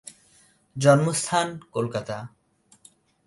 জন্মস্থান কলকাতা।